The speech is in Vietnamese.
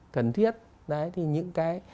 cần thiết đấy thì những cái